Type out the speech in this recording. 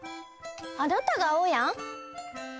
あなたがあおやん？